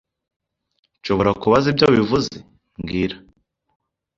Nshobora kubaza ibyo bivuze mbwira